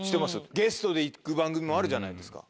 ゲストで行く番組もあるじゃないですか。